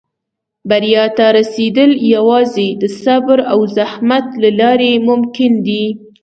• بریا ته رسېدل یوازې د صبر او زحمت له لارې ممکن دي.